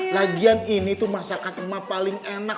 lagian ini tuh masakan emak paling enak